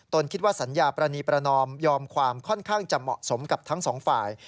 คิดว่าสัญญาปรณีประนอมยอมความค่อนข้างจะเหมาะสมกับทั้งสองฝ่าย